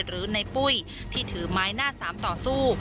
หรือในปุ้ยที่ถือไม้หน้าสามต่อสู้